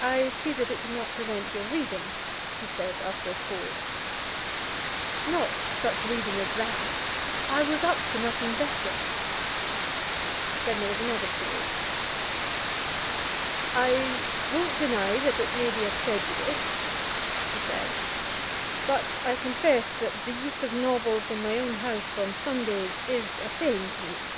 "I see that it did not prevent your reading," he said, after a pause. "Not such reading as that. I was up to nothing better." Then there was another pause. "I won't deny that it may be a prejudice," he said, "but I confess that the use of novels in my own house on Sundays is a pain to me.